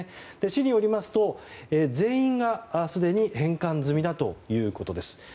市によりますと全員がすでに返還済みだということです。